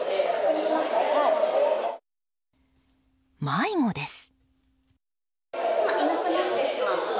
迷子です。